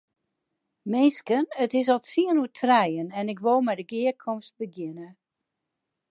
Minsken, it is al tsien oer trijen en ik wol mei de gearkomste begjinne.